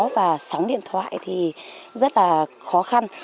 và sóng điện thoại thì rất là khó khăn